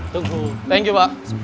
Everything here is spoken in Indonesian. thank you pak